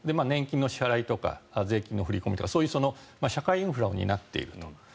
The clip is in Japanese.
年金の支払いとか税金の振り込みとか社会インフラを担っていると。